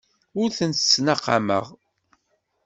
Ur tent-ttnaqameɣ.